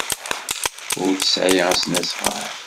Ur tesɛi asnasɣal.